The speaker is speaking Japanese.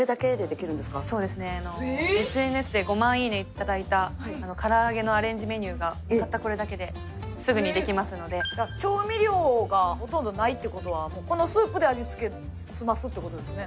いただいたから揚げのアレンジメニューがたったこれだけですぐにできますので調味料がほとんどないってことはもうこのスープで味つけ済ますってことですね？